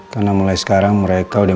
karena mulai sekarang mereka udah